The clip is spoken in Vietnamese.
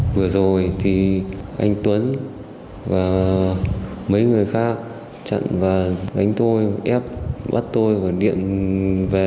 vừa rồi thì anh tuấn và mấy người khác chặn và đánh tôi ép bắt tôi và điện về